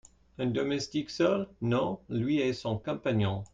Un domestique seul ? Non ; lui et son compagnon.